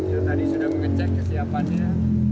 yang tadi sudah mengecek kesiapannya